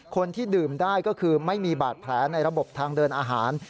คนที่ดื่มได้ก็คือไม่มีบาดแผลในระบบทางเดินอาหาร